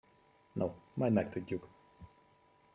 No, majd megtudjuk.